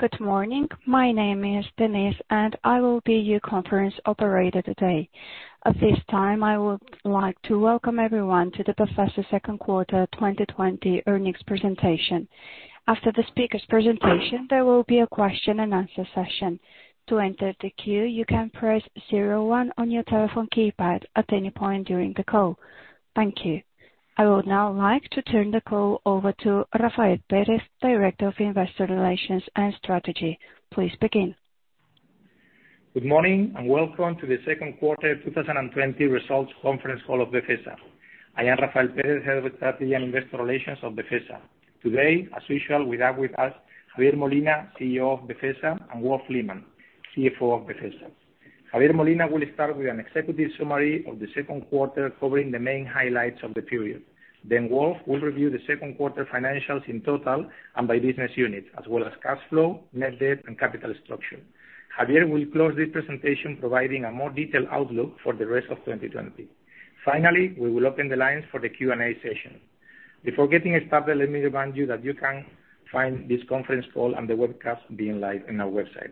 Good morning. My name is Denise, and I will be your conference operator today. At this time, I would like to welcome everyone to the Befesa second quarter 2020 earnings presentation. After the speaker's presentation, there will be a question-and-answer session. To enter the queue, you can press zero one on your telephone keypad at any point during the call. Thank you. I would now like to turn the call over to Rafael Pérez, Director of Investor Relations and Strategy. Please begin. Good morning, welcome to the second quarter 2020 results conference call of Befesa. I am Rafael Pérez, Head of Strategy and Investor Relations of Befesa. Today, as usual, we have with us Javier Molina, CEO of Befesa, and Wolf Lehmann, CFO of Befesa. Javier Molina will start with an executive summary of the second quarter, covering the main highlights of the period. Wolf will review the second quarter financials in total and by business unit, as well as cash flow, net debt, and capital structure. Javier will close this presentation providing a more detailed outlook for the rest of 2020. Finally, we will open the lines for the Q&A session. Before getting started, let me remind you that you can find this conference call and the webcast being live on our website.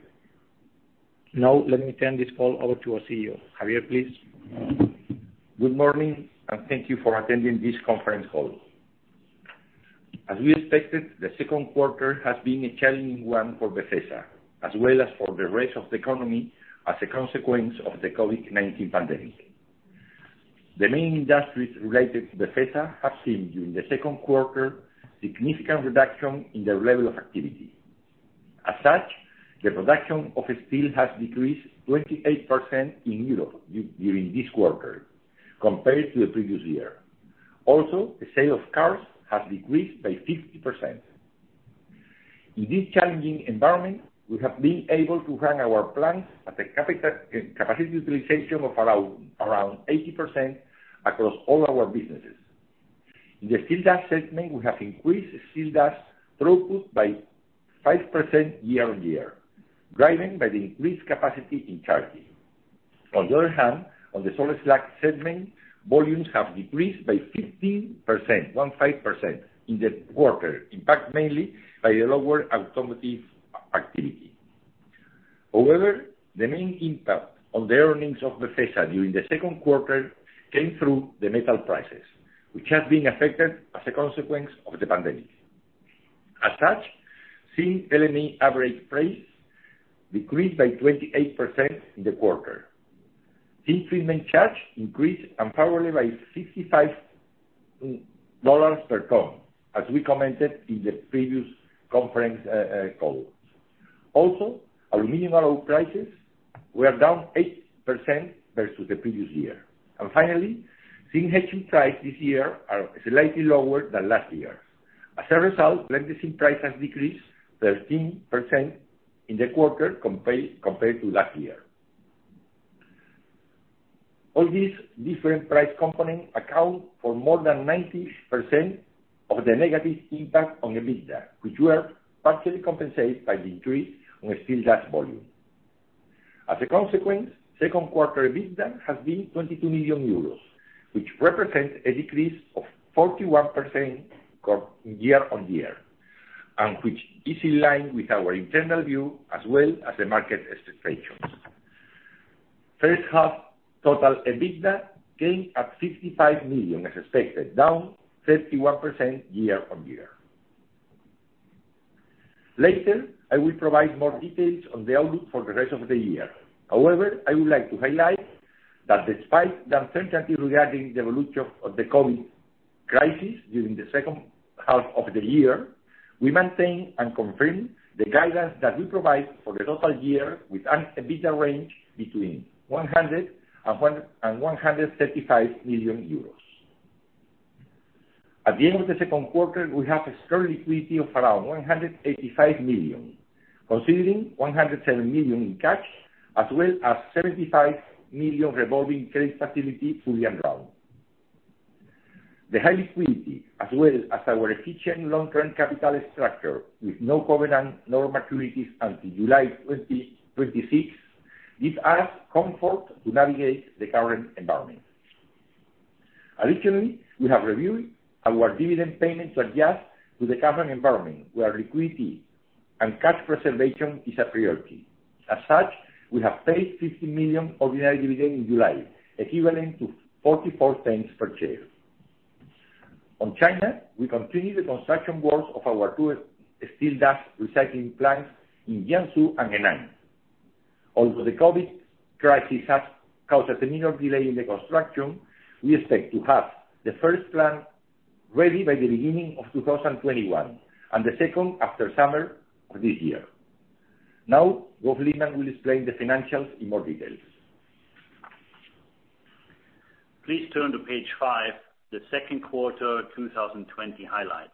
Now let me turn this call over to our CEO. Javier, please. Good morning, and thank you for attending this conference call. As we expected, the second quarter has been a challenging one for Befesa as well as for the rest of the economy as a consequence of the COVID-19 pandemic. The main industries related to Befesa have seen, during the second quarter, significant reduction in their level of activity. As such, the production of steel has decreased 28% in Europe during this quarter compared to the previous year. Also, the sale of cars has decreased by 50%. In this challenging environment, we have been able to run our plants at a capacity utilization of around 80% across all our businesses. In the steel dust segment, we have increased steel dust throughput by 5% year-on-year, driven by the increased capacity in Turkey. On the other hand, on the salt slag segment, volumes have decreased by 15% in the quarter, impacted mainly by the lower automotive activity. However, the main impact on the earnings of Befesa during the second quarter came through the metal prices, which have been affected as a consequence of the pandemic. As such, zinc LME average price decreased by 28% in the quarter. Zinc treatment charge increased unfavorably by, as we commented in the previous conference calls. Also, aluminum prices were down 8% versus the previous year. Finally, zinc hedge price this year are slightly lower than last year. As a result, blended zinc price has decreased 13% in the quarter compared to last year. All these different price components account for more than 90% of the negative impact on EBITDA, which were partially compensated by the increase on steel dust volume. As a consequence, second quarter EBITDA has been 22 million euros, which represents a decrease of 41% year-on-year and which is in line with our internal view as well as the market expectations. First half total EBITDA came at 55 million as expected, down 31% year-on-year. Later, I will provide more details on the outlook for the rest of the year. However, I would like to highlight that despite the uncertainty regarding the evolution of the COVID crisis during the second half of the year, we maintain and confirm the guidance that we provide for the total year with an EBITDA range between 100 million euros and 135 million euros. At the end of the second quarter, we have a strong liquidity of around 185 million, considering 107 million in cash as well as 75 million revolving credit facility fully undrawn. The high liquidity as well as our efficient long-term capital structure with no covenant, no maturities until July 2026, gives us comfort to navigate the current environment. Additionally, we have reviewed our dividend payment to adjust to the current environment where liquidity and cash preservation is a priority. As such, we have paid 15 million ordinary dividend in July, equivalent to 0.44 per share. On China, we continue the construction works of our two steel dust recycling plants in Jiangsu and Henan. Although the COVID crisis has caused a minor delay in the construction, we expect to have the first plant ready by the beginning of 2021, and the second after summer of this year. Now, Wolf Lehmann will explain the financials in more details. Please turn to page five, the second quarter 2020 highlights.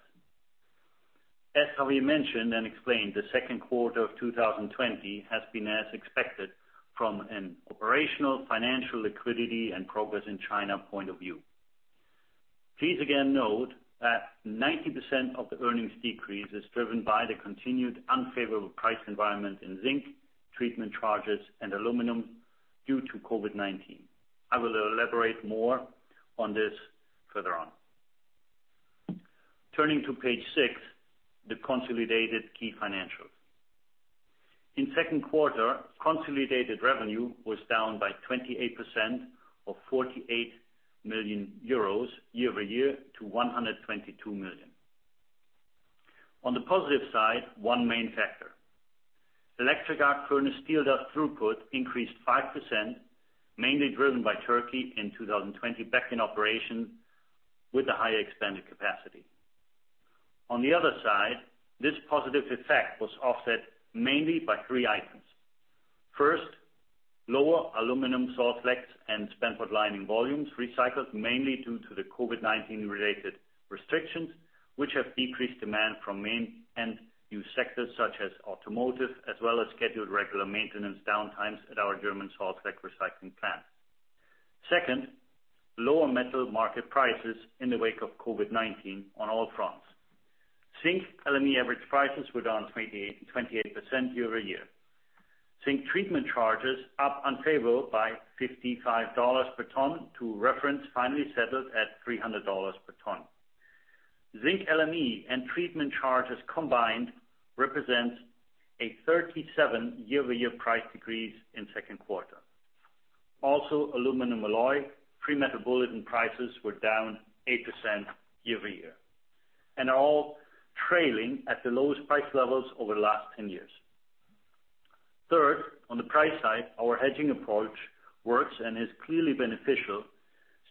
As Javier mentioned and explained, the second quarter of 2020 has been as expected from an operational, financial, liquidity, and progress in China point of view. Please again note that 90% of the earnings decrease is driven by the continued unfavorable price environment in zinc, treatment charges, and aluminum due to COVID-19. I will elaborate more on this further on. Turning to page six, the consolidated key financials. In second quarter, consolidated revenue was down by 28%, or 48 million euros year-over-year to 122 million. On the positive side, one main factor. Electric arc furnace steel dust throughput increased 5%, mainly driven by Turkey in 2020, back in operation with the higher expanded capacity. On the other side, this positive effect was offset mainly by three items. First, lower aluminum salt slag and spent potlining volumes recycled mainly due to the COVID-19 related restrictions, which have decreased demand from end-use sectors such as automotive, as well as scheduled regular maintenance downtimes at our German salt slag recycling plant. Second, lower metal market prices in the wake of COVID-19 on all fronts. Zinc LME average prices were down 28% year-over-year. Zinc treatment charges up unfavorable by $55 per ton to reference finally settled at $300 per ton. Zinc LME and treatment charges combined represents a 37% year-over-year price decrease in second quarter. Metal Bulletin prices were down 8% year-over-year and are all trailing at the lowest price levels over the last 10 years. Third, on the price side, our hedging approach works and is clearly beneficial.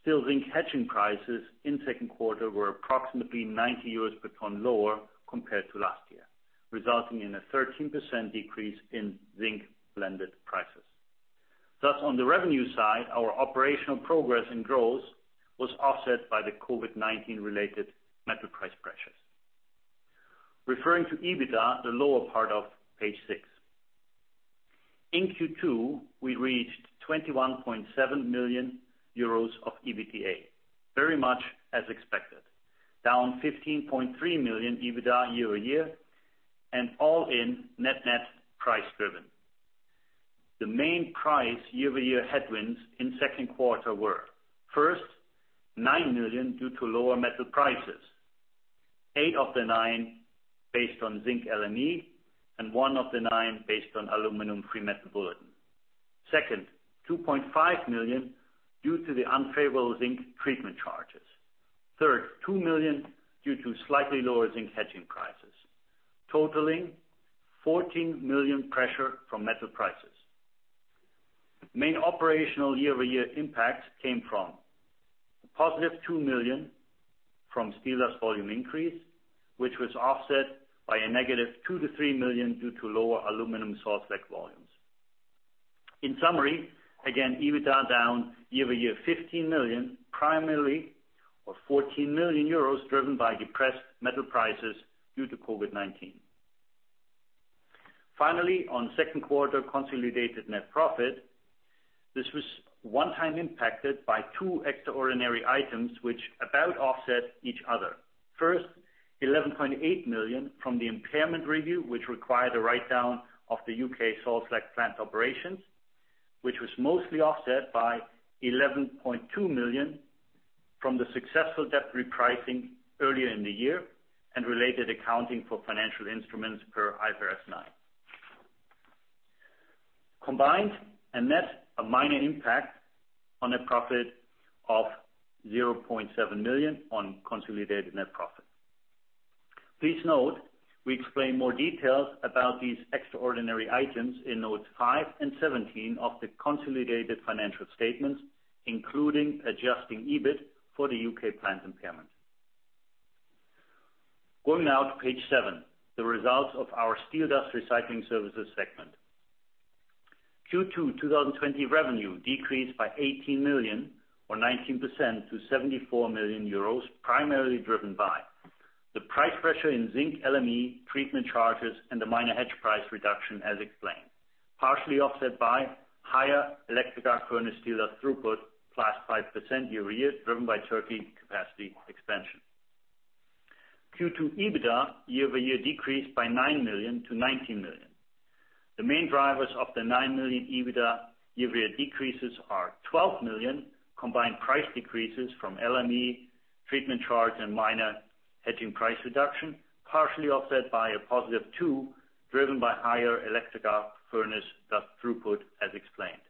Still, zinc hedging prices in second quarter were approximately 90 euros per ton lower compared to last year, resulting in a 13% decrease in zinc blended prices. On the revenue side, our operational progress and growth was offset by the COVID-19 related metal price pressures. Referring to EBITDA, the lower part of page six. In Q2, we reached 21.7 million euros of EBITDA, very much as expected, down 15.3 million EBITDA year-over-year and all in net price driven. The main price year-over-year headwinds in second quarter were, first, 9 million due to lower metal prices, eight of the nine based on zinc LME and one of the nine based on aluminum free Metal Bulletin. Second, 2.5 million due to the unfavorable zinc treatment charges. Third, 2 million due to slightly lower zinc hedging prices, totaling 14 million pressure from metal prices. Main operational year-over-year impacts came from a positive 2 million from steel dust volume increase, which was offset by a negative 2-3 million due to lower aluminum salt slag volumes. In summary, again, EBITDA down year-over-year 15 million, primarily or 14 million euros, driven by depressed metal prices due to COVID-19. Finally, on second quarter consolidated net profit, this was one-time impacted by two extraordinary items which about offset each other. First, 11.8 million from the impairment review, which required a write-down of the U.K. salt slag plant operations, which was mostly offset by 11.2 million from the successful debt repricing earlier in the year and related accounting for financial instruments per IFRS 9. Combined and net, a minor impact on net profit of 0.7 million on consolidated net profit. Please note we explain more details about these extraordinary items in notes 16 and 17 of the consolidated financial statements, including adjusting EBIT for the U.K. plant impairment. Going now to page seven, the results of our steel dust recycling services segment. Q2 2020 revenue decreased by 18 million or 19% to 74 million euros, primarily driven by the price pressure in zinc LME treatment charges and the minor hedge price reduction as explained, partially offset by higher electric arc furnace steel dust throughput, +5% year-over-year, driven by Turkey capacity expansion. Q2 EBITDA year-over-year decreased by 9 million to 19 million. The main drivers of the 9 million EBITDA year-over-year decreases are 12 million combined price decreases from LME treatment charge and minor hedging price reduction, partially offset by a +2, driven by higher electric arc furnace dust throughput as explained.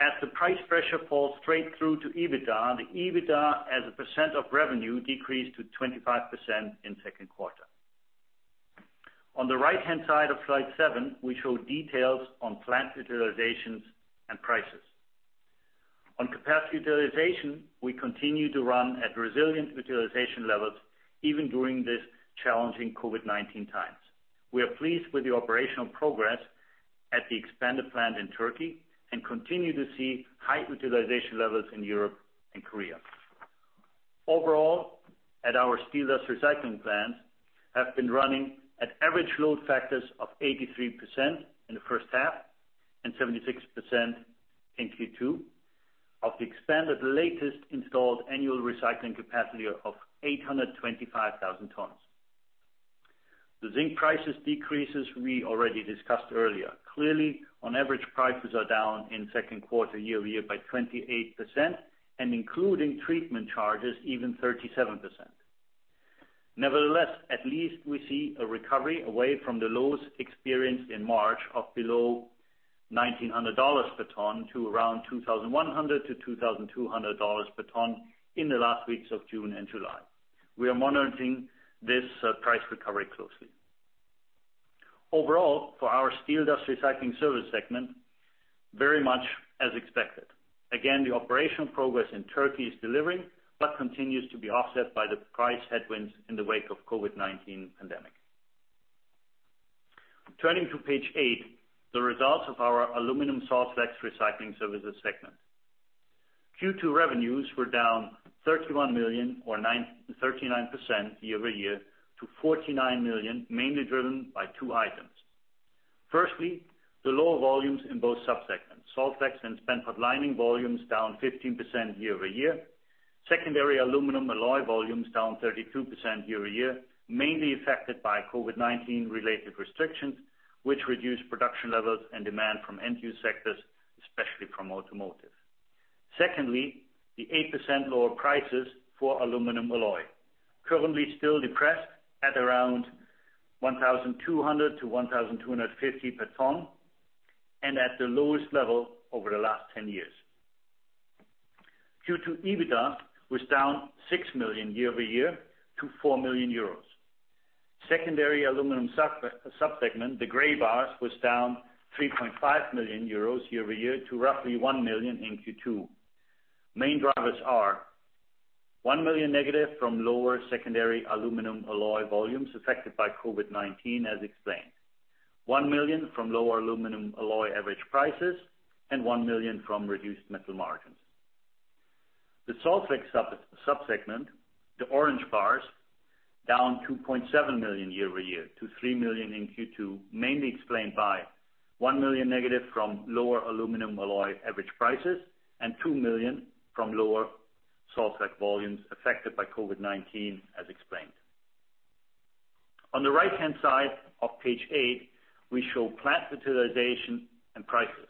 As the price pressure falls straight through to EBITDA, the EBITDA as a percent of revenue decreased to 25% in Q2. On the right-hand side of slide seven, we show details on plant utilizations and prices. On capacity utilization, we continue to run at resilient utilization levels even during this challenging COVID-19 times. We are pleased with the operational progress at the expanded plant in Turkey and continue to see high utilization levels in Europe and Korea. Overall, at our steel dust recycling plants have been running at average load factors of 83% in the first half and 76% in Q2 of the expanded latest installed annual recycling capacity of 825,000 tons. The zinc prices decreases we already discussed earlier. Clearly, on average, prices are down in Q2 year-over-year by 28%, and including treatment charges, even 37%. Nevertheless, at least we see a recovery away from the lows experienced in March of below EUR 1,900 per ton to around 2,100 to EUR 2,200 per ton in the last weeks of June and July. We are monitoring this price recovery closely. Overall, for our steel dust recycling services segment, very much as expected. Again, the operational progress in Turkey is delivering, but continues to be offset by the price headwinds in the wake of COVID-19 pandemic. Turning to page eight, the results of our aluminum salt slags recycling services segment. Q2 revenues were down 31 million or 39% year-over-year to 49 million, mainly driven by two items. Firstly, the lower volumes in both sub-segments. Salt slags and spent potlining volume is down 15% year-over-year. Secondary aluminum alloy volume is down 32% year-over-year, mainly affected by COVID-19 related restrictions, which reduce production levels and demand from end-use sectors, especially from automotive. Secondly, the 8% lower prices for aluminum alloy, currently still depressed at around 1,200-1,250 per ton, and at the lowest level over the last 10 years. Q2 EBITDA was down 6 million year-over-year to 4 million euros. Secondary aluminum sub-segment, the gray bars, was down 3.5 million euros year-over-year to roughly 1 million in Q2. Main drivers are: 1 million negative from lower secondary aluminum alloy volumes affected by COVID-19 as explained. 1 million from lower aluminum alloy average prices, and 1 million from reduced metal margins. The salt slag sub-segment, the orange bars, down 2.7 million year-over-year to 3 million in Q2, mainly explained by 1 million negative from lower aluminum alloy average prices, and 2 million from lower salt slag volumes affected by COVID-19 as explained. On the right-hand side of page eight, we show plant utilization and prices.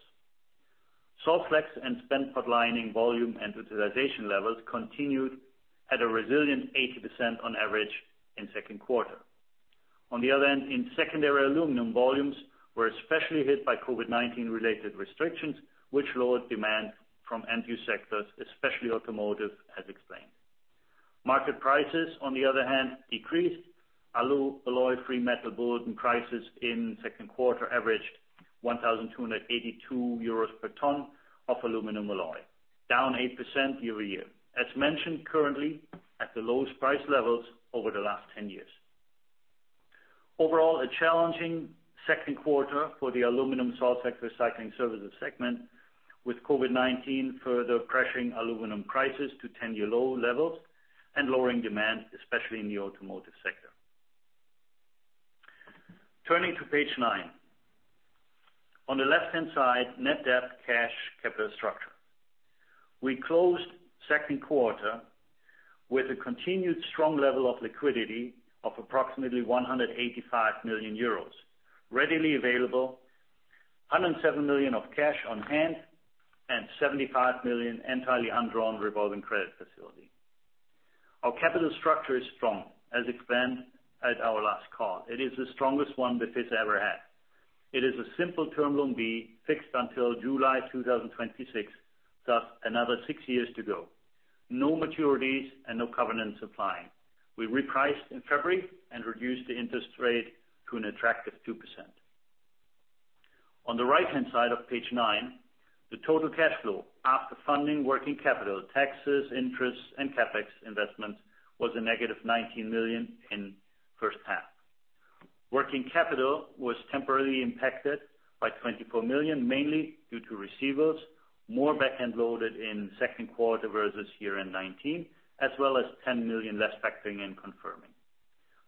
Salt slags and spent potlining volume and utilization levels continued at a resilient 80% on average in second quarter. In secondary aluminum, volumes were especially hit by COVID-19 related restrictions, which lowered demand from end-use sectors, especially automotive as explained. Market prices, on the other hand, decreased. Alloy free Metal Bulletin prices in second quarter averaged €1,282 per ton of aluminum alloy, down 8% year-over-year. Currently at the lowest price levels over the last 10 years. A challenging second quarter for the aluminum salt slags recycling services segment with COVID-19 further pressuring aluminum prices to 10-year low levels and lowering demand, especially in the automotive sector. Turning to page nine. On the left-hand side, net debt, cash, capital structure. We closed second quarter with a continued strong level of liquidity of approximately €185 million. Readily available, 107 million of cash on hand and 75 million entirely undrawn revolving credit facility. Our capital structure is strong, as explained at our last call. It is the strongest one Befesa ever had. It is a simple term loan B fixed until July 2026, thus another six years to go. No maturities and no covenants applying. We repriced in February and reduced the interest rate to an attractive 2%. On the right-hand side of page nine, the total cash flow after funding working capital, taxes, interests, and CapEx investments was a negative 19 million in first half. Working capital was temporarily impacted by 24 million, mainly due to receivables more back-end loaded in second quarter versus year-end 2019, as well as 10 million less factoring and confirming.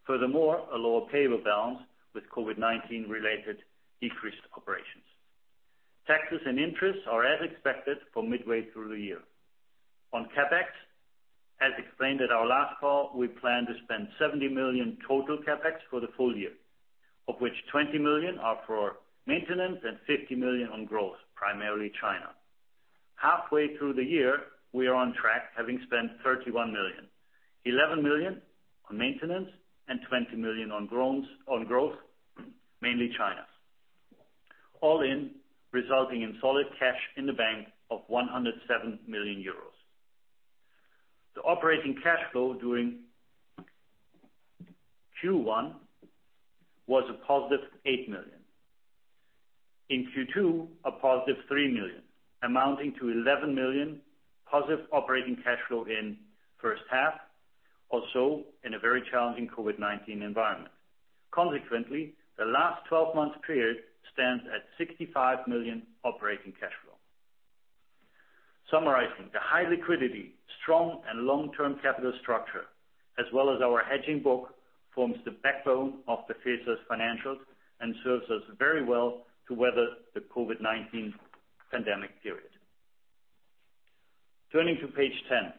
Furthermore, a lower payable balance with COVID-19 related decreased operations. Taxes and interests are as expected for midway through the year. On CapEx, as explained at our last call, we plan to spend 70 million total CapEx for the full year, of which 20 million are for maintenance and 50 million on growth, primarily China. Halfway through the year, we are on track having spent 31 million. 11 million on maintenance and 20 million on growth, mainly China. All in, resulting in solid cash in the bank of 107 million euros. The operating cash flow during Q1 was a positive 8 million. In Q2, a positive 3 million, amounting to 11 million positive operating cash flow in first half, also in a very challenging COVID-19 environment. The last 12 months period stands at 65 million operating cash flow. Summarizing, the high liquidity, strong and long-term capital structure, as well as our hedging book, forms the backbone of Befesa's financials and serves us very well to weather the COVID-19 pandemic period. To page 10.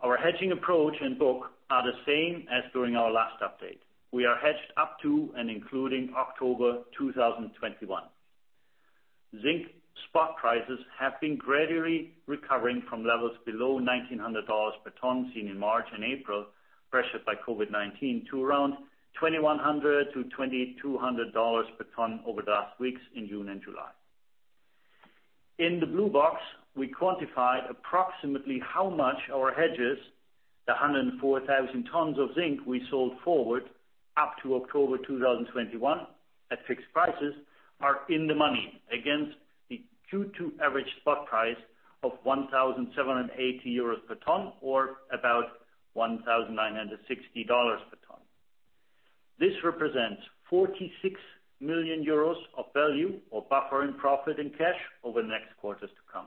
Our hedging approach and book are the same as during our last update. We are hedged up to and including October 2021. Zinc spot prices have been gradually recovering from levels below EUR 1,900 per ton seen in March and April, pressured by COVID-19, to around EUR 2,100-EUR 2,200 per ton over the last weeks in June and July. In the blue box, we quantified approximately how much our hedges, the 104,000 tons of zinc we sold forward up to October 2021 at fixed prices, are in the money against the Q2 average spot price of 1,780 euros per ton or about EUR 1,960 per ton. This represents 46 million euros of value or buffer and profit in cash over the next quarters to come.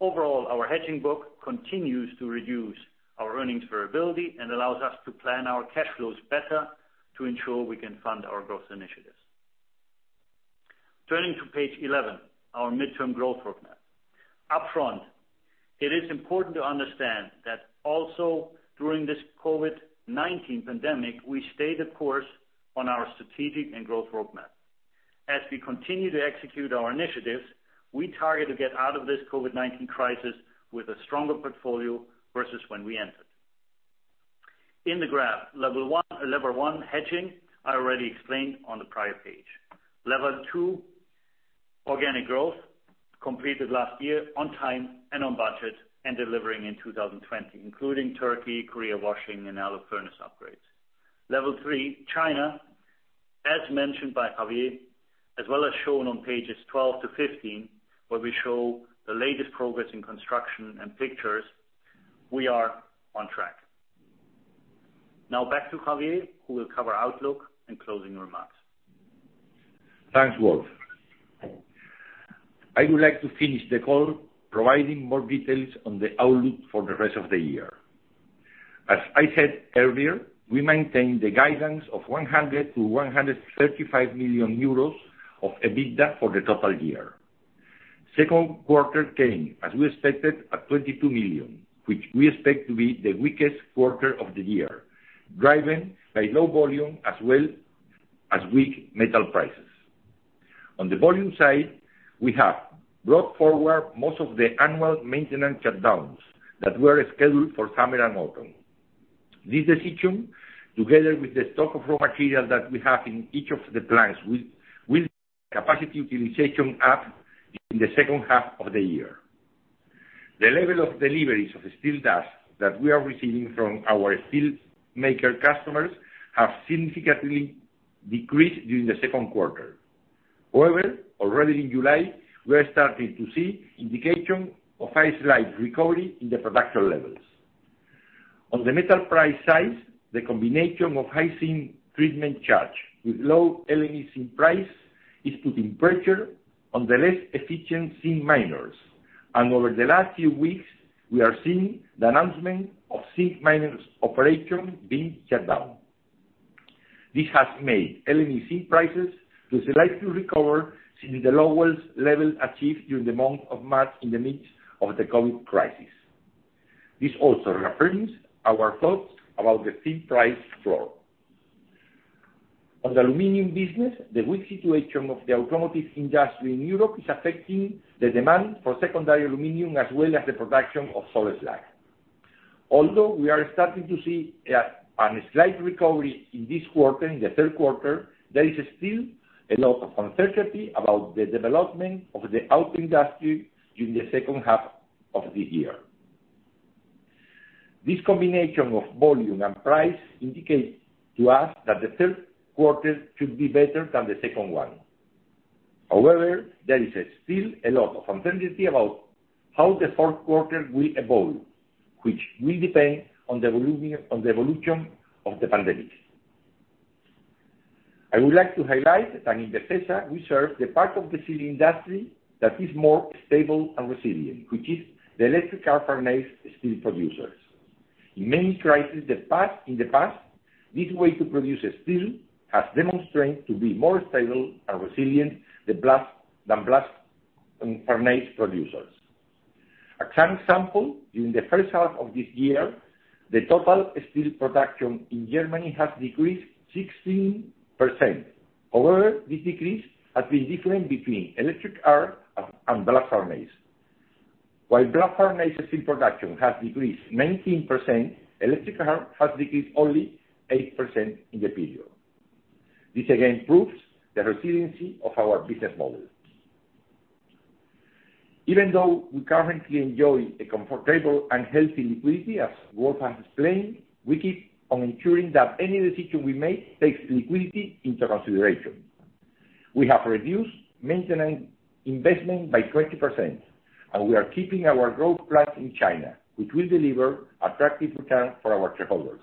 Overall, our hedging book continues to reduce our earnings variability and allows us to plan our cash flows better to ensure we can fund our growth initiatives. Turning to page 11, our midterm growth roadmap. Upfront, it is important to understand that also during this COVID-19 pandemic, we stayed the course on our strategic and growth roadmap. As we continue to execute our initiatives, we target to get out of this COVID-19 crisis with a stronger portfolio versus when we entered. In the graph, level 1 hedging, I already explained on the prior page. Level 2, organic growth, completed last year on time and on budget and delivering in 2020, including Turkey, Korea washing, and out-of-furnace upgrades. Level 3, China, as mentioned by Javier, as well as shown on pages 12 to 15, where we show the latest progress in construction and pictures, we are on track. Now back to Javier, who will cover outlook and closing remarks. Thanks, Wolf. I would like to finish the call providing more details on the outlook for the rest of the year. As I said earlier, we maintain the guidance of 100-135 million euros of EBITDA for the total year. Second quarter came, as we expected, at 22 million, which we expect to be the weakest quarter of the year, driven by low volume as well as weak metal prices. On the volume side, we have brought forward most of the annual maintenance shutdowns that were scheduled for summer and autumn. This decision, together with the stock of raw material that we have in each of the plants, will capacity utilization up in the second half of the year. The level of deliveries of the steel dust that we are receiving from our steel maker customers have significantly decreased during the second quarter. However, already in July, we're starting to see indication of a slight recovery in the production levels. On the metal price side, the combination of high zinc treatment charge with low LME zinc price is putting pressure on the less efficient zinc miners. Over the last few weeks, we are seeing the announcement of zinc miners operation being shut down. This has made LME zinc prices to slightly recover since the lowest level achieved during the month of March in the midst of the COVID crisis. This also reaffirms our thoughts about the zinc price floor. On the aluminum business, the weak situation of the automotive industry in Europe is affecting the demand for secondary aluminum as well as the production of salt slag. We are starting to see a slight recovery in this quarter, in the third quarter, there is still a lot of uncertainty about the development of the auto industry during the second half of the year. This combination of volume and price indicates to us that the third quarter should be better than the second one. There is still a lot of uncertainty about how the fourth quarter will evolve, which will depend on the evolution of the pandemic. I would like to highlight that in Befesa, we serve the part of the steel industry that is more stable and resilient, which is the electric arc furnace steel producers. In many crisis in the past, this way to produce steel has demonstrated to be more stable and resilient than blast furnace producers. A clear example, during the first half of this year, the total steel production in Germany has decreased 16%. However, this decrease has been different between electric arc and blast furnace. While blast furnace's steel production has decreased 19%, electric arc has decreased only 8% in the period. This again proves the resiliency of our business model. Even though we currently enjoy a comfortable and healthy liquidity, as Wolf has explained, we keep on ensuring that any decision we make takes liquidity into consideration. We have reduced maintenance investment by 20%, and we are keeping our growth plan in China, which will deliver attractive return for our shareholders.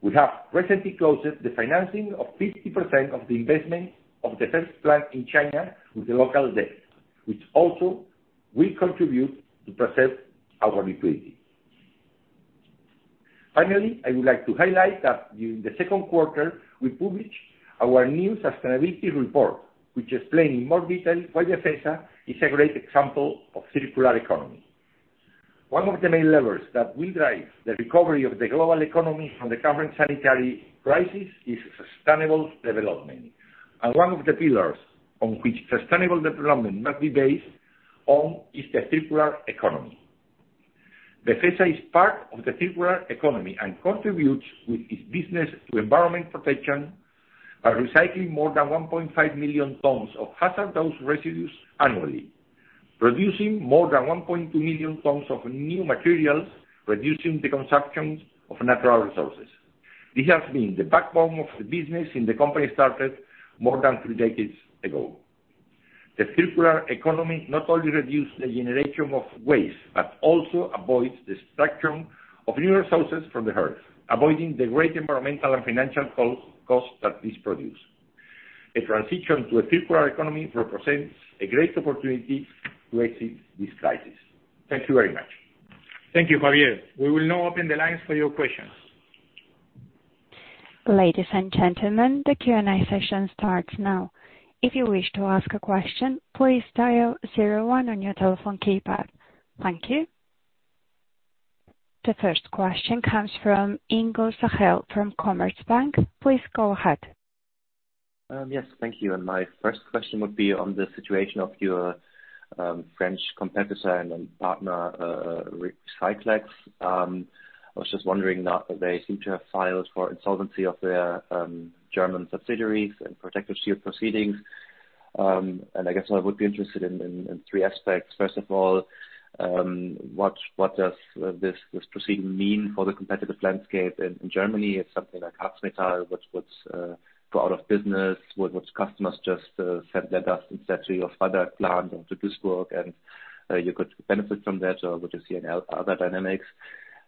We have recently closed the financing of 50% of the investment of the first plant in China with the local debt, which also will contribute to preserve our liquidity. Finally, I would like to highlight that during the second quarter, we published our new sustainability report, which explains in more detail why Befesa is a great example of circular economy. One of the main levers that will drive the recovery of the global economy from the current sanitary crisis is sustainable development, and one of the pillars on which sustainable development must be based on is the circular economy. Befesa is part of the circular economy and contributes with its business to environment protection by recycling more than 1.5 million tons of hazardous residues annually, producing more than 1.2 million tons of new materials, reducing the consumption of natural resources. This has been the backbone of the business since the company started more than three decades ago. The circular economy not only reduces the generation of waste, but also avoids the extraction of newer sources from the earth, avoiding the great environmental and financial costs that this produces. A transition to a circular economy represents a great opportunity to exit this crisis. Thank you very much. Thank you, Javier. We will now open the lines for your questions. Ladies and gentlemen, the Q&A session starts now. If you wish to ask a question, please dial zero one on your telephone keypad. Thank you. The first question comes from Ingo Sachtleben from Commerzbank. Please go ahead. Yes, thank you. My first question would be on the situation of your French competitor and partner, Recylex. I was just wondering that they seem to have filed for insolvency of their German subsidiaries and protective shield proceedings. I guess I would be interested in three aspects. First of all, what does this proceeding mean for the competitive landscape in Germany? It's something like Harz-Metall which go out of business. Would customers just send their dust instead to your Freiberg plant or to Duisburg, and you could benefit from that? Would you see other dynamics?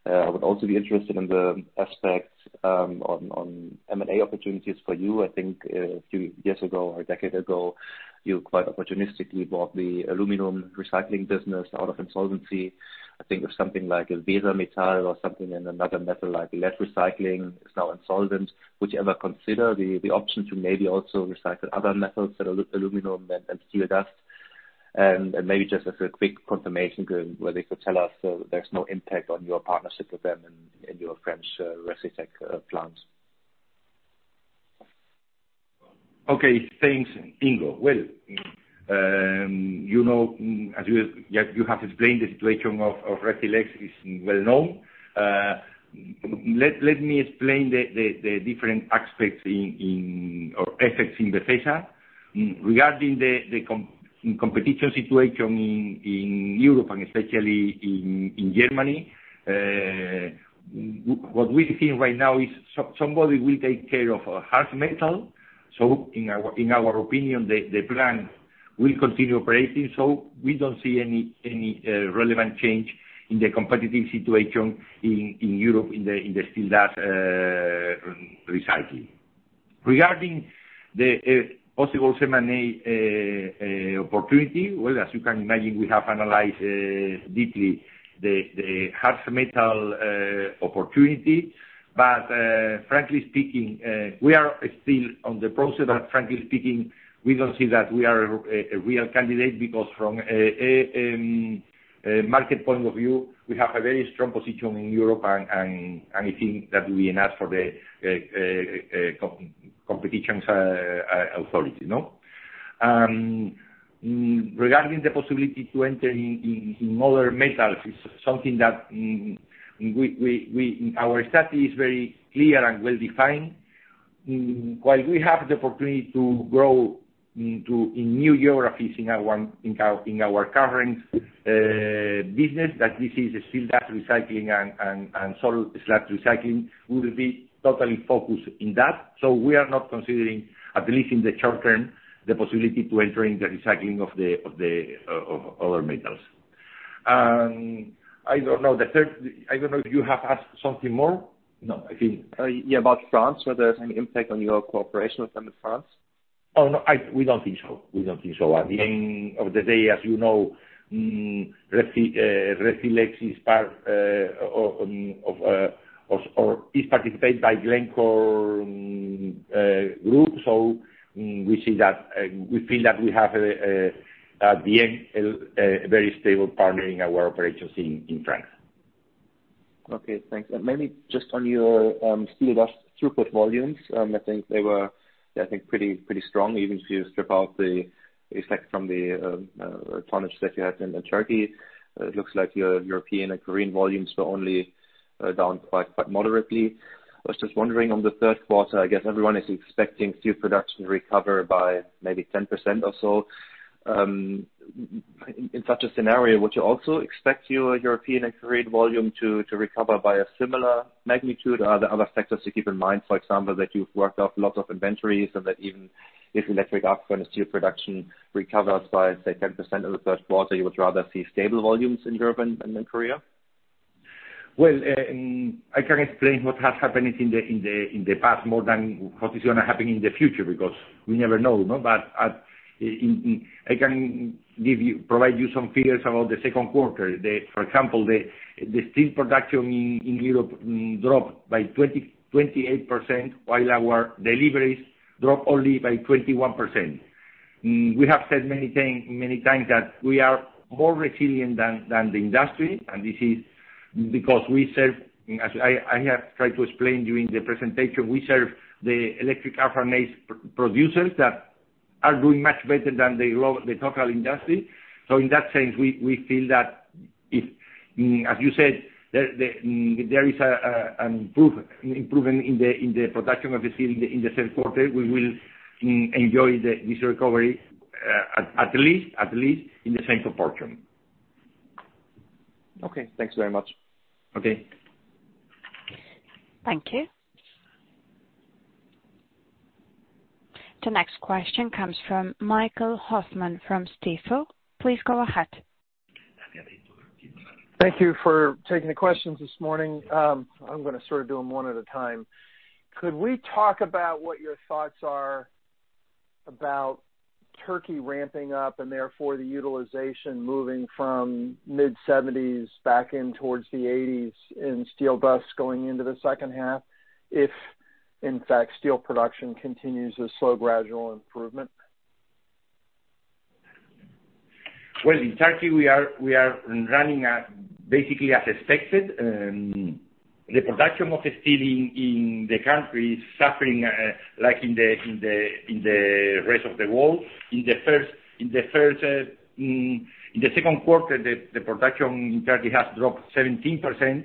I would also be interested in the aspects on M&A opportunities for you. I think a few years ago, or a decade ago, you quite opportunistically bought the aluminum recycling business out of insolvency. I think of something like Weser-Metall or something in another metal, like lead recycling is now insolvent. Would you ever consider the option to maybe also recycle other metals that are aluminum and steel dust? Maybe just as a quick confirmation where you could tell us there's no impact on your partnership with them in your French Recytech plant. Okay. Thanks, Ingo. Well, as you have explained, the situation of Recylex is well known. Let me explain the different aspects or effects in Befesa. Regarding the competition situation in Europe and especially in Germany, what we think right now is somebody will take care of Harz-Metall. In our opinion, the plant will continue operating. We don't see any relevant change in the competitive situation in Europe in the steel dust recycling. Regarding the possible M&A opportunity, well, as you can imagine, we have analyzed deeply the Harz-Metall opportunity. Frankly speaking, we are still on the process. Frankly speaking, we don't see that we are a real candidate because from a market point of view, we have a very strong position in Europe, and I think that will be enough for the competition authority. Regarding the possibility to enter in other metals, it's something that our strategy is very clear and well-defined. While we have the opportunity to grow in new geographies in our current business, that this is steel dust recycling and salt slag recycling, we will be totally focused on that. We are not considering, at least in the short term, the possibility to enter in the recycling of other metals. I don't know. You have asked something more? No, I think. Yeah. About France, whether there's any impact on your cooperation with them in France. No, we don't think so. At the end of the day, as you know, Recylex is participated by Glencore group. We feel that we have, at the end, a very stable partner in our operations in France. Okay, thanks. Maybe just on your steel dust throughput volumes, I think they were pretty strong even if you strip out the effect from the tonnage that you had in Turkey. It looks like your European and Korean volumes were only down quite moderately. I was just wondering on the third quarter, I guess everyone is expecting steel production to recover by maybe 10% or so. In such a scenario, would you also expect your European and Korean volume to recover by a similar magnitude? Are there other factors to keep in mind, for example, that you've worked off lots of inventories and that even if electric arc furnace steel production recovers by, say, 10% in the first quarter, you would rather see stable volumes in Europe and in Korea? I can explain what has happened in the past more than what is going to happen in the future, because we never know. I can provide you some figures about the second quarter. For example, the steel production in Europe dropped by 28%, while our deliveries dropped only by 21%. We have said many times that we are more resilient than the industry. This is because we serve, as I have tried to explain during the presentation, we serve the electric arc furnace producers that are doing much better than the total industry. In that sense, we feel that if, as you said, there is an improvement in the production of the steel in the third quarter, we will enjoy this recovery at least in the same proportion. Okay. Thanks very much. Okay. Thank you. The next question comes from Michael Hoffman from Stifel. Please go ahead. Thank you for taking the questions this morning. I'm going to sort of do them one at a time. Could we talk about what your thoughts are about Turkey ramping up and therefore the utilization moving from mid-70%s back in towards the 80%s in steel dust going into the second half, if in fact steel production continues a slow gradual improvement? In Turkey we are running basically as expected. The production of the steel in the country is suffering like in the rest of the world. In the second quarter, the production in Turkey has dropped 17%.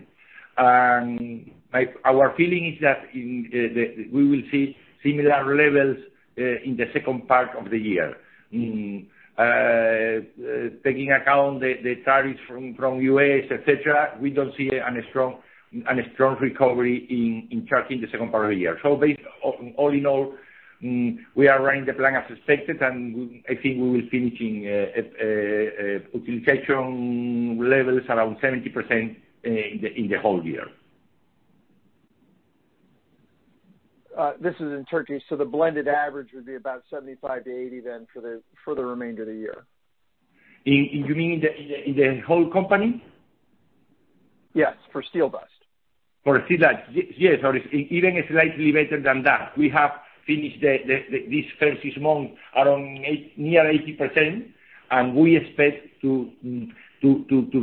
Our feeling is that we will see similar levels in the second part of the year. Taking account the tariffs from U.S., et cetera, we don't see a strong recovery in Turkey in the second part of the year. Based, all in all, we are running the plan as expected, and I think we will finish in utilization levels around 70% in the whole year. This is in Turkey. The blended average would be about 75%-80% then for the remainder of the year. You mean in the whole company? Yes, for steel dust. For steel dust. Yes, even slightly better than that. We have finished this first month around near 80%, and we expect to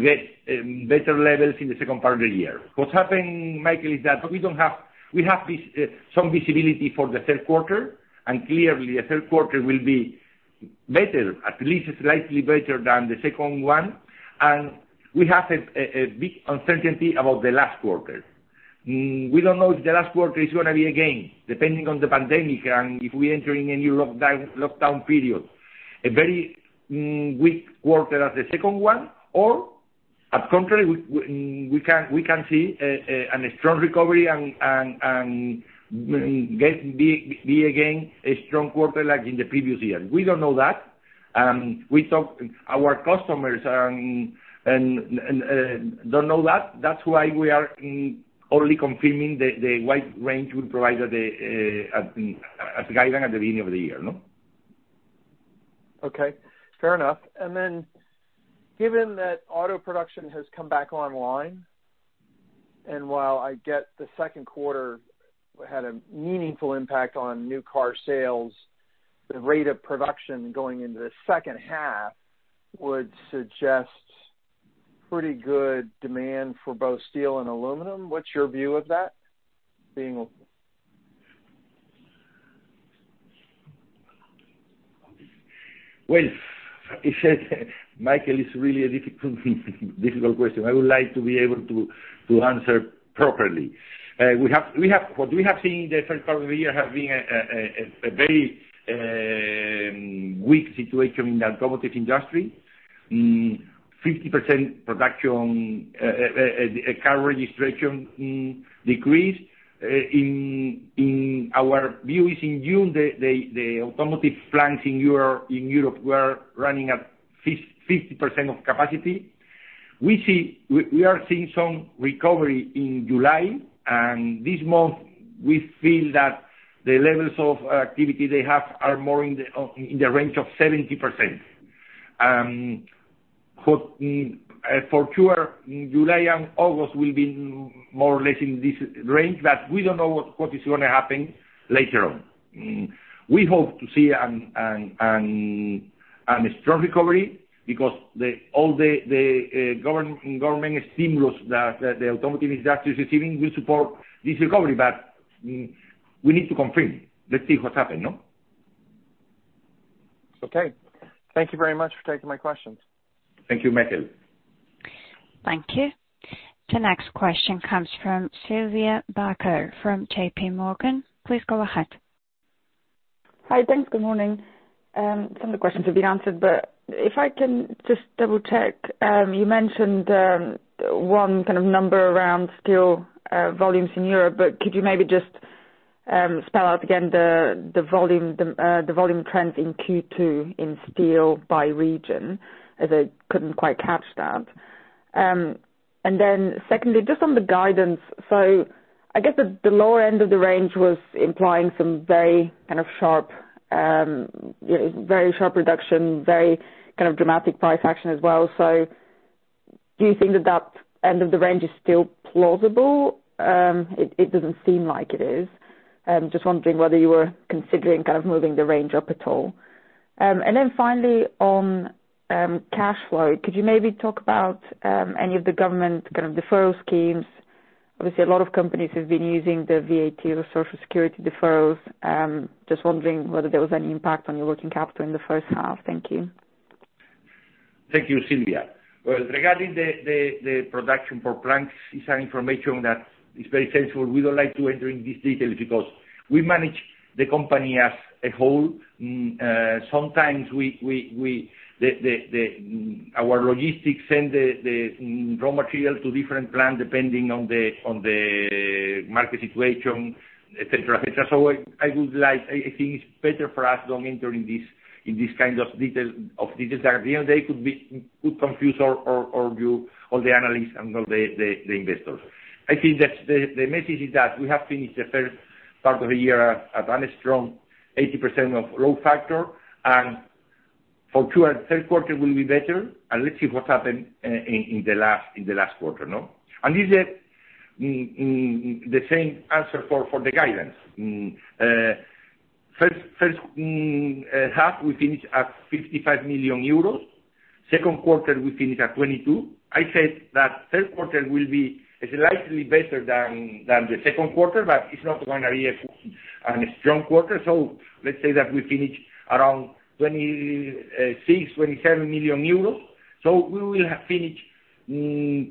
get better levels in the second part of the year. What's happened, Michael, is that we have some visibility for the third quarter, and clearly the third quarter will be better, at least slightly better than the second one. We have a big uncertainty about the last quarter. We don't know if the last quarter is going to be, again, depending on the pandemic and if we enter in a new lockdown period. A very weak quarter as the second one or at contrary, we can see a strong recovery and get be again a strong quarter like in the previous year. We don't know that. Our customers don't know that. That's why we are only confirming the wide range we provided as a guidance at the beginning of the year. Okay, fair enough. Given that auto production has come back online, and while I get the second quarter had a meaningful impact on new car sales, the rate of production going into the second half would suggest pretty good demand for both steel and aluminum. What's your view of that being a? Well, Michael, it's really a difficult question. I would like to be able to answer properly. What we have seen in the first part of the year has been a very weak situation in the automotive industry. 50% production, car registration decreased. In our view is in June, the automotive plants in Europe were running at 50% of capacity. We are seeing some recovery in July, and this month we feel that the levels of activity they have are more in the range of 70%. For sure, July and August will be more or less in this range, but we don't know what is going to happen later on. We hope to see a strong recovery because all the government stimulus that the automotive industry is receiving will support this recovery, but we need to confirm. Let's see what happen. Okay. Thank you very much for taking my questions. Thank you, Michael. Thank you. The next question comes from Sylvia Barker from JPMorgan. Please go ahead. Hi, thanks. Good morning. If I can just double-check, you mentioned one kind of number around steel volumes in Europe. Could you maybe just spell out again the volume trends in Q2 in steel by region, as I couldn't quite catch that. Secondly, just on the guidance. I guess the lower end of the range was implying some very sharp reduction, very dramatic price action as well. Do you think that that end of the range is still plausible? It doesn't seem like it is. I'm just wondering whether you were considering moving the range up at all. Finally on cash flow, could you maybe talk about any of the government deferral schemes? Obviously, a lot of companies have been using the VAT or Social Security deferrals. I'm just wondering whether there was any impact on your working capital in the first half. Thank you. Thank you, Sylvia. Well, regarding the production for plants, this information that is very sensitive. We don't like to enter into these details because we manage the company as a whole. Sometimes our logistics send the raw material to different plants depending on the market situation, et cetera. I think it's better for us don't enter in this kind of details at the end of the day could confuse you or the analysts and all the investors. I think that the message is that we have finished the first part of the year at a strong 80% of load factor, and for Q3 will be better. Let's see what happens in the last quarter. Is it the same answer for the guidance? First half, we finish at 55 million euros. Second quarter, we finish at 22 million. I said that third quarter will be slightly better than the second quarter, but it's not going to be a strong quarter. Let's say that we finish around 26 million, 27 million euros. We will have finished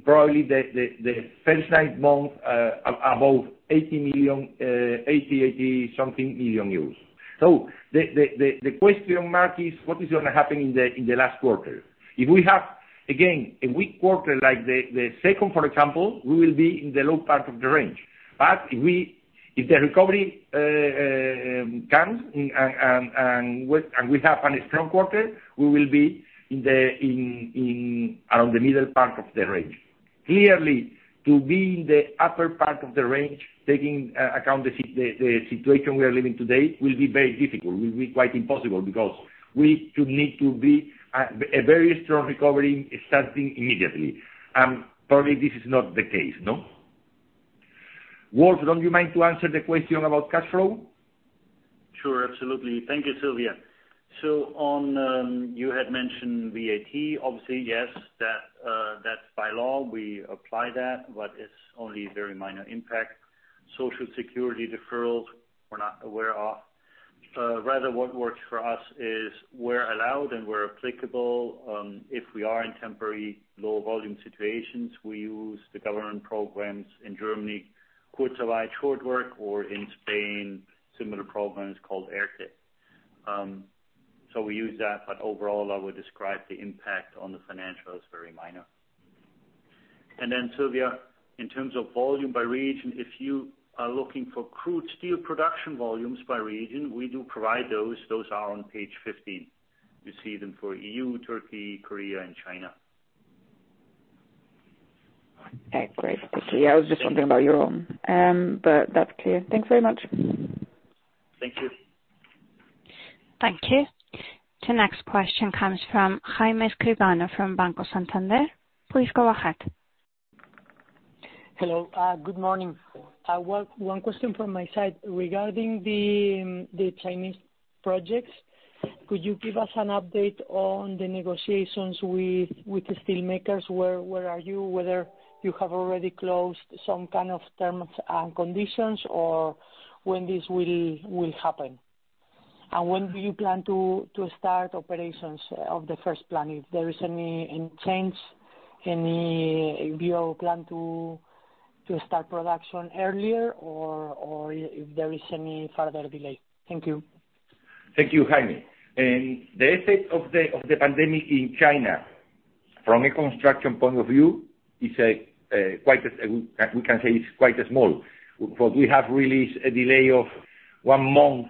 probably the first nine months above 80 million, 80 something million. The question mark is what is going to happen in the last quarter. If we have, again, a weak quarter like the second, for example, we will be in the low part of the range. If the recovery comes and we have a strong quarter, we will be around the middle part of the range. Clearly, to be in the upper part of the range, taking account the situation we are living today will be very difficult, will be quite impossible because we should need to be a very strong recovery starting immediately. Probably this is not the case. Wolf, don't you mind to answer the question about cash flow? Sure, absolutely. Thank you, Sylvia. You had mentioned VAT, obviously, yes, that by law, we apply that, but it's only very minor impact. Social Security deferrals, we're not aware of. Rather what works for us is we're allowed and we're applicable if we are in temporary low volume situations. We use the government programs in Germany, Kurzarbeit short work, or in Spain, similar programs called ERTE. We use that, but overall, I would describe the impact on the financials very minor. Sylvia, in terms of volume by region, if you are looking for crude steel production volumes by region, we do provide those. Those are on page 15. You see them for EU, Turkey, Korea, and China. Okay, great. I was just wondering about your own. That's clear. Thanks very much. Thank you. Thank you. The next question comes from Jaime Escribano from Banco Santander. Please go ahead. Hello. Good morning. One question from my side regarding the Chinese projects. Could you give us an update on the negotiations with the steel makers? Where are you, whether you have already closed some kind of terms and conditions or when this will happen? When do you plan to start operations of the first plant, if there is any change? Do you all plan to start production earlier or if there is any further delay? Thank you. Thank you, Jaime. The effect of the pandemic in China from a construction point of view is, we can say, is quite small. What we have really is a delay of one month,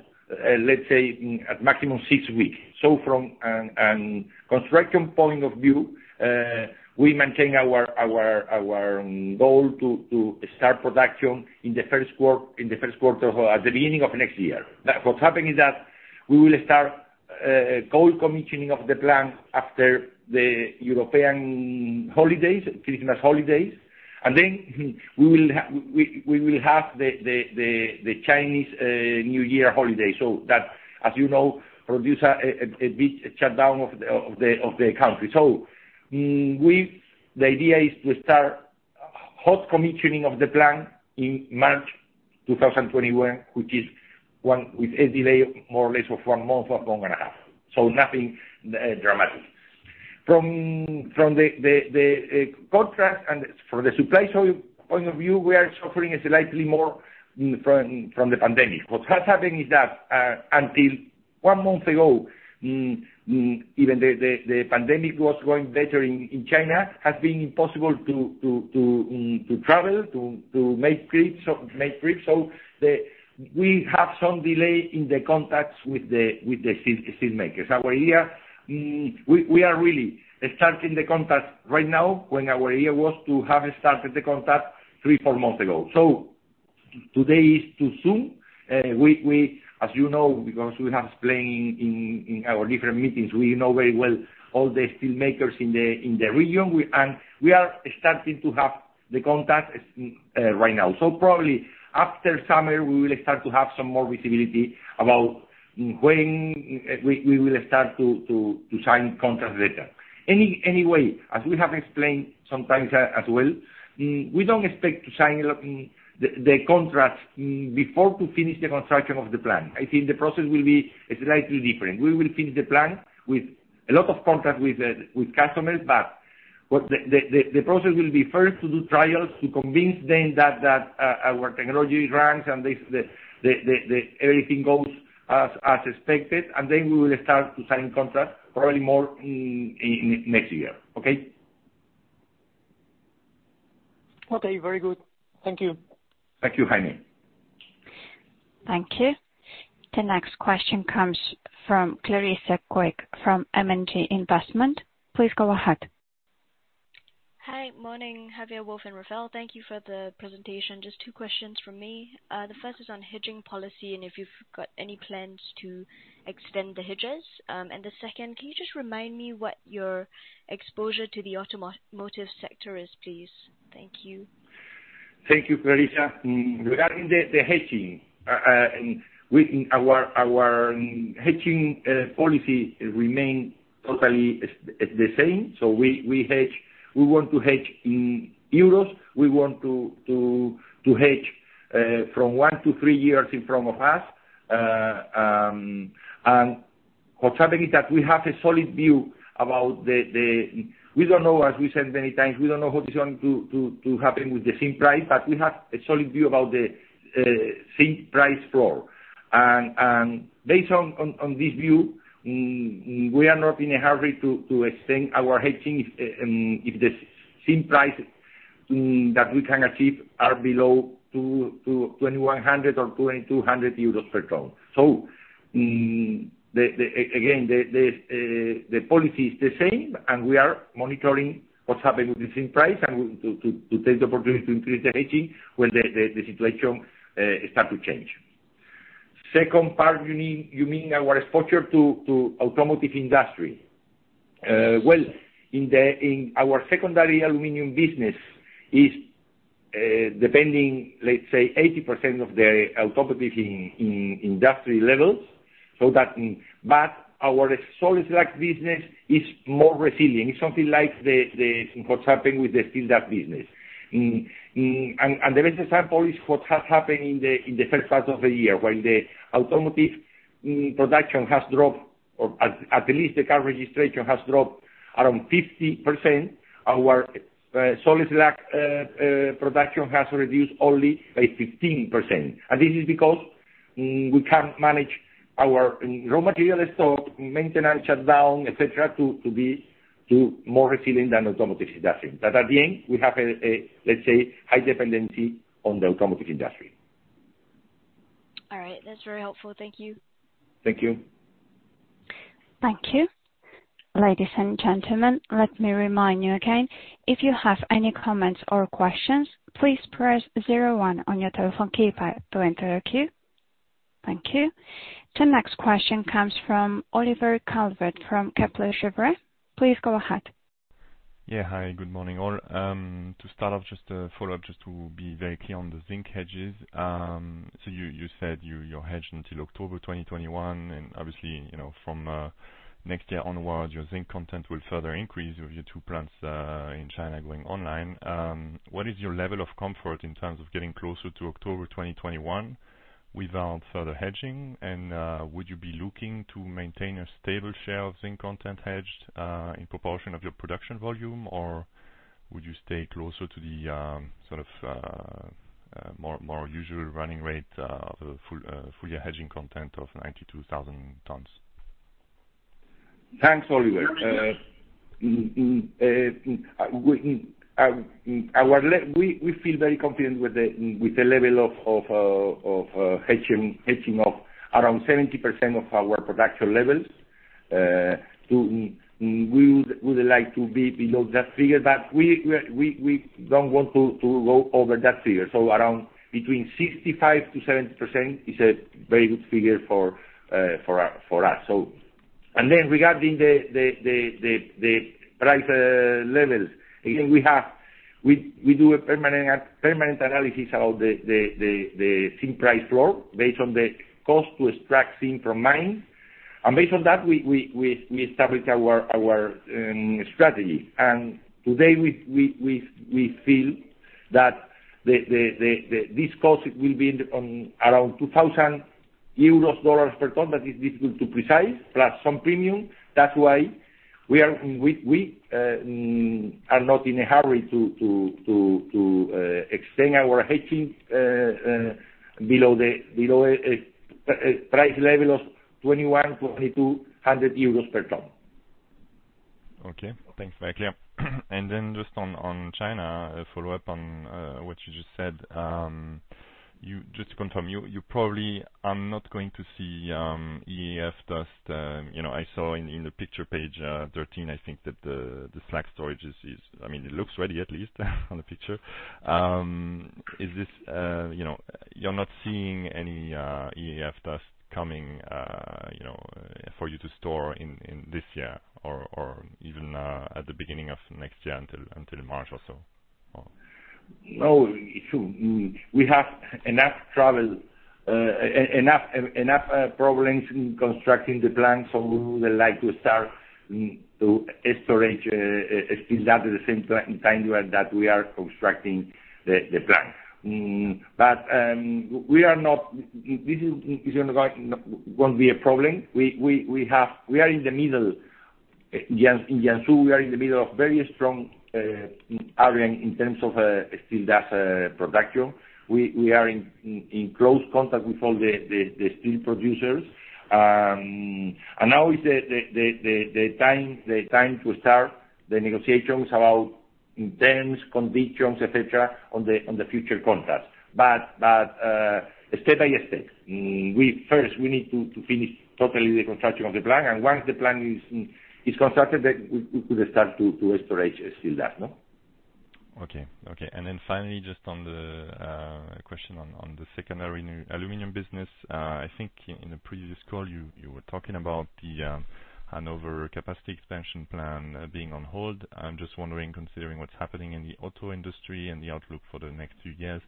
let's say, at maximum six weeks. From a construction point of view, we maintain our goal to start production in the first quarter at the beginning of next year. What's happening is that we will start cold commissioning of the plant after the European holidays, Christmas holidays, then we will have the Chinese New Year holiday. That, as you know, produce a big shutdown of the country. The idea is to start hot commissioning of the plant in March 2021, which is a delay more or less of one month or month and a half. Nothing dramatic. From the contract and from the supply point of view, we are suffering slightly more from the pandemic. What has happened is that until one month ago, even the pandemic was going better in China, has been impossible to travel, to make trips. We have some delay in the contacts with the steel makers. We are really starting the contact right now, when our year was to have started the contact three, four months ago. Today is too soon. As you know, because we have explained in our different meetings, we know very well all the steel makers in the region. We are starting to have the contact right now. Probably after summer, we will start to have some more visibility about when we will start to sign contracts later. As we have explained sometimes as well, we don't expect to sign the contracts before to finish the construction of the plant. I think the process will be slightly different. We will finish the plant with a lot of contact with customers, but the process will be first to do trials to convince them that our technology runs and everything goes as expected, and then we will start to sign contracts, probably more next year. Okay? Okay, very good. Thank you. Thank you, Jaime. Thank you. The next question comes from Clarissa Quig from M&G Investments. Please go ahead. Hi. Morning, Javier, Wolf and Rafael. Thank you for the presentation. Just two questions from me. The first is on hedging policy and if you've got any plans to extend the hedges. The second, can you just remind me what your exposure to the automotive sector is, please? Thank you. Thank you, Clarissa. Regarding the hedging, our hedging policy remain totally the same. We want to hedge in euros. We want to hedge from one to three years in front of us. What's happening is that we have a solid view. We don't know, as we said many times, we don't know what is going to happen with the zinc price, but we have a solid view about the zinc price floor. Based on this view, we are not in a hurry to extend our hedging if the zinc price that we can achieve are below to 2,100 or 2,200 euros per ton. Again, the policy is the same, and we are monitoring what's happening with the zinc price and to take the opportunity to increase the hedging when the situation start to change. Second part, you mean our exposure to automotive industry. Well, in our secondary aluminum business is depending, let's say, 80% of the automotive industry levels. Our salt slag business is more resilient. It's something like what's happening with the steel dust business. The best example is what has happened in the first half of the year, when the automotive production has dropped, or at least the car registration has dropped around 50%, our salt slag production has reduced only by 15%. This is because we can manage our raw material stock, maintenance, shutdown, et cetera, to be more resilient than automotive industry. At the end, we have a, let's say, high dependency on the automotive industry. All right. That's very helpful. Thank you. Thank you. Thank you. Ladies and gentlemen, let me remind you again, if you have any comments or questions, please press zero one on your telephone keypad to enter a queue. Thank you. The next question comes from Oliver Calvert from Kepler Cheuvreux. Please go ahead. Yeah. Hi, good morning all. To start off, just a follow-up, just to be very clear on the zinc hedges. You said you hedge until October 2021, and obviously, from next year onwards, your zinc content will further increase with your two plants in China going online. What is your level of comfort in terms of getting closer to October 2021 without further hedging? Would you be looking to maintain a stable share of zinc content hedged in proportion of your production volume? Or would you stay closer to the more usual running rate of a full year hedging content of 92,000 tons? Thanks, Oliver. We feel very confident with the level of hedging of around 70% of our production levels. We would like to be below that figure, we don't want to go over that figure. Around between 65%-70% is a very good figure for us. Regarding the price levels, again, we do a permanent analysis about the zinc price floor based on the cost to extract zinc from mine. Based on that, we establish our strategy. Today we feel that this cost will be around 2,000 euros per ton, but it's difficult to precise, plus some premium. That's why we are not in a hurry to extend our hedging below a price level of 2,100, 2,200 euros per ton. Okay. Thanks very clear. Just on China, a follow-up on what you just said. Just to confirm, you probably are not going to see EAF dust. I saw in the picture, page 13, I think, that the slag storage, it looks ready at least on the picture. You're not seeing any EAF dust coming for you to store in this year or even at the beginning of next year until March or so? No. We have enough problems in constructing the plant. We would like to start to storage steel dust at the same time that we are constructing the plant. This won't be a problem. We are in the middle. In Jiangsu, we are in the middle of very strong area in terms of steel dust production. We are in close contact with all the steel producers. Now is the time to start the negotiations about terms, conditions, et cetera, on the future contracts. Step by step. First, we need to finish totally the construction of the plant. Once the plant is constructed, we could start to store steel dust. Finally, just on the question on the secondary new aluminum business. I think in a previous call, you were talking about the Hannover capacity expansion plan being on hold. I'm just wondering, considering what's happening in the auto industry and the outlook for the next few years,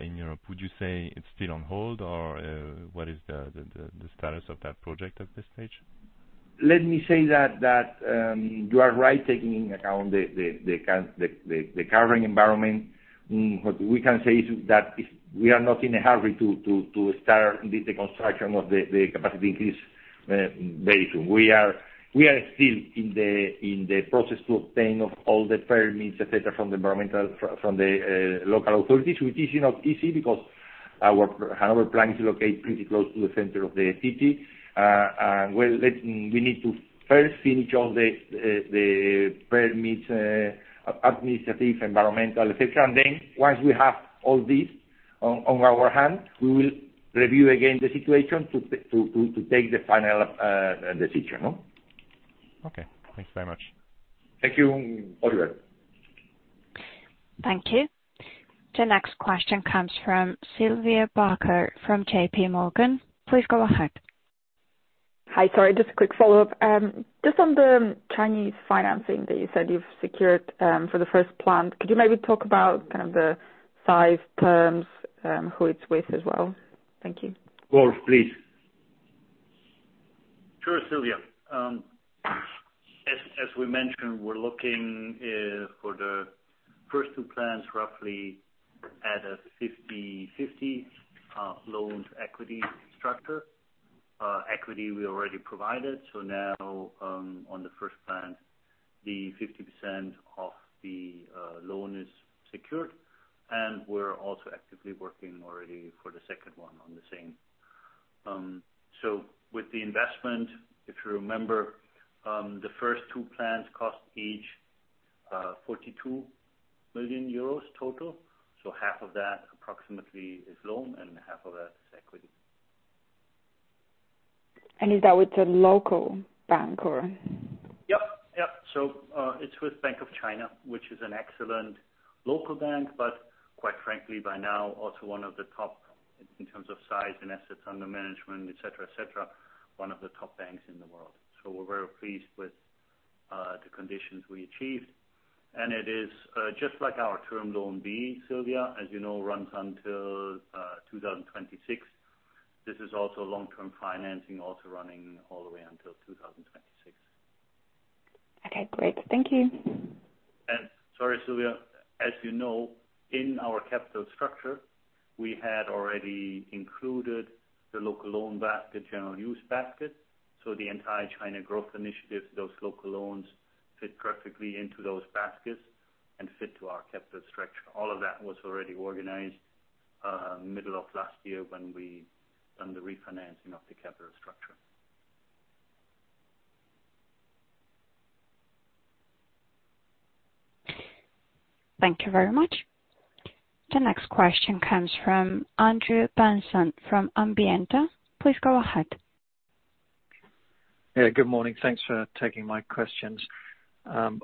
in Europe, would you say it's still on hold, or what is the status of that project at this stage? Let me say that, you are right taking into account the current environment. What we can say is that we are not in a hurry to start the construction of the capacity increase very soon. We are still in the process to obtain of all the permits, et cetera, from the local authorities, which is not easy because our Hannover plant is located pretty close to the center of the city. We need to first finish all the permits, administrative, environmental, et cetera. Then once we have all this on our hand, we will review again the situation to take the final decision. Okay. Thanks very much. Thank you, Oliver. Thank you. The next question comes from Sylvia Barker from JPMorgan. Please go ahead. Hi. Sorry, just a quick follow-up. Just on the Chinese financing that you said you've secured for the first plant. Could you maybe talk about kind of the size terms, who it is with as well? Thank you. Wolf, please. Sure, Sylvia. As we mentioned, we're looking for the first two plants roughly at a 50/50 loans equity structure. Equity we already provided. Now, on the first plant, the 50% of the loan is secured, and we're also actively working already for the second one on the same. With the investment, if you remember, the first two plants cost each 42 million euros total. Half of that approximately is loan and half of that is equity. Is that with a local bank or? Yep. It's with Bank of China, which is an excellent local bank, but quite frankly, by now, also one of the top in terms of size and assets under management, et cetera. One of the top banks in the world. We're very pleased with the conditions we achieved. It is just like our term loan B, Sylvia, as you know, runs until 2026. This is also long-term financing, also running all the way until 2026. Okay, great. Thank you. Sorry, Sylvia, as you know, in our capital structure, we had already included the local loan basket, general use basket. The entire China growth initiative, those local loans fit perfectly into those baskets and fit to our capital structure. All of that was already organized middle of last year when we done the refinancing of the capital structure. Thank you very much. The next question comes from Andrew Benson from Ambienta. Please go ahead. Yeah, good morning. Thanks for taking my questions. On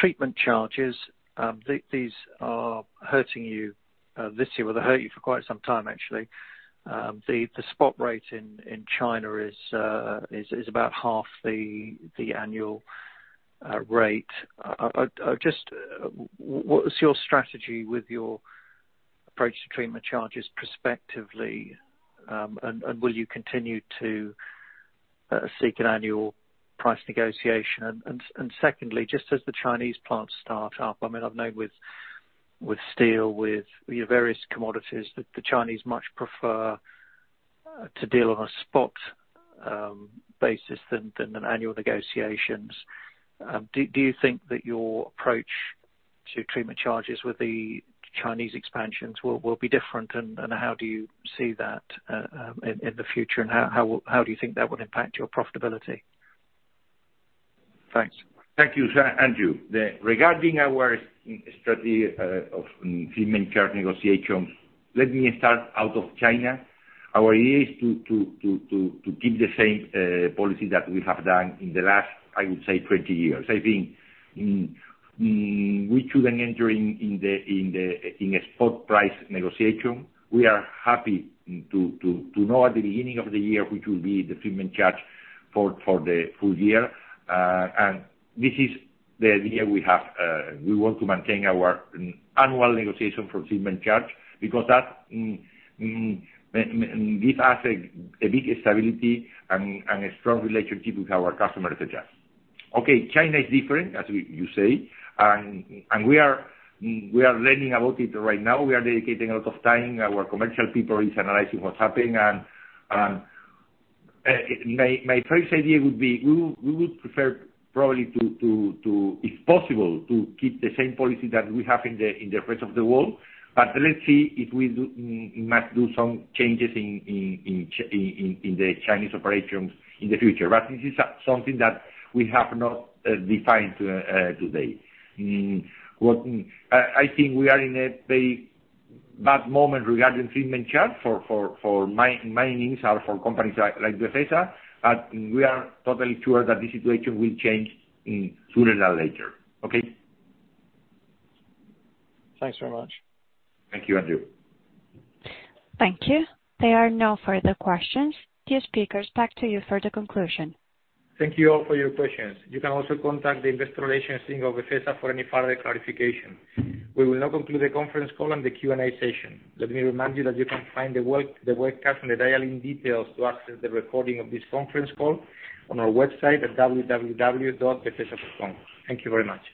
treatment charges, these are hurting you this year. Well, they hurt you for quite some time, actually. The spot rate in China is about half the annual rate. What is your strategy with your approach to treatment charges prospectively, and will you continue to seek an annual price negotiation? Secondly, just as the Chinese plants start up, I've known with steel, with various commodities, that the Chinese much prefer to deal on a spot basis than an annual negotiations. Do you think that your approach To treatment charges with the Chinese expansions will be different, and how do you see that in the future, and how do you think that would impact your profitability? Thanks. Thank you, Andrew. Regarding our strategy of treatment charge negotiations, let me start out of China. Our idea is to keep the same policy that we have done in the last, I would say, 20 years. I think we shouldn't enter in a spot price negotiation. We are happy to know at the beginning of the year which will be the treatment charge for the full year. This is the idea we have. We want to maintain our annual negotiation for treatment charge, because that give us a big stability and a strong relationship with our customers as well. Okay, China is different, as you say. We are learning about it right now. We are dedicating a lot of time. Our commercial people is analyzing what's happening. My first idea would be, we would prefer probably to, if possible, to keep the same policy that we have in the rest of the world. Let's see if we must do some changes in the Chinese operations in the future. This is something that we have not defined today. I think we are in a very bad moment regarding treatment charge for mining or for companies like Befesa, but we are totally sure that the situation will change sooner than later. Okay. Thanks very much. Thank you, Andrew. Thank you. There are no further questions. Dear speakers, back to you for the conclusion. Thank you all for your questions. You can also contact the investor relations team of Befesa for any further clarification. We will now conclude the conference call and the Q&A session. Let me remind you that you can find the webcast and the dial-in details to access the recording of this conference call on our website at befesa.com. Thank you very much.